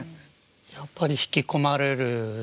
やっぱり引き込まれる歌ですね。